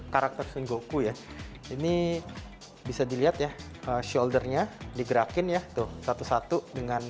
karakter singgoku ya ini bisa dilihat ya shouldernya digerakin ya tuh satu satu dengan